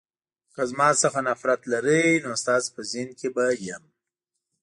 که زما څخه نفرت لرئ نو ستاسو په ذهن کې به وم.